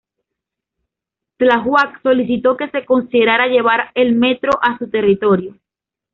Tláhuac solicitó que se considerara llevar el metro a su territorio.